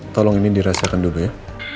tolong ini dirasakan dulu ya